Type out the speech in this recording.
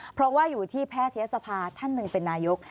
เพราะว่าอยู่ที่แพทยศภาท่านหนึ่งเป็นนายก